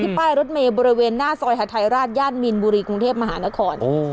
ป้ายรถเมย์บริเวณหน้าซอยหาทัยราชย่านมีนบุรีกรุงเทพมหานคร